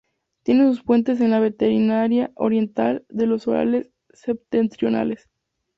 Tiene sus fuentes en la vertiente oriental de los Urales septentrionales.